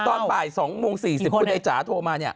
ตอนบ่าย๒โมง๔๐คุณไอ้จ๋าโทรมาเนี่ย